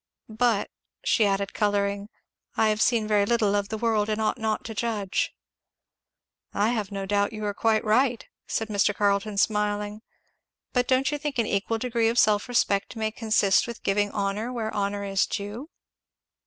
But," she added colouring, "I have seen very little of the world and ought not to judge." "I have no doubt you are quite right," said Mr. Carleton smiling. "But don't you think an equal degree of self respect may consist with giving honour where honour is due?"